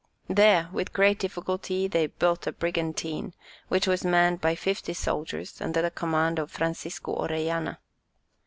There, with great difficulty they built a brigantine, which was manned by fifty soldiers under the command of Francisco Orellana.